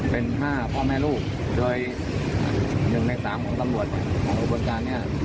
เป็น๕พ่อแม่ลูกโดย๑ใน๓ของตำรวจของอุบลการนี้